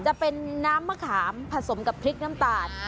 จะเป็นน้ำมะขามผสมกับพริกน้ำตาล